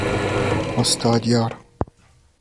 استادیار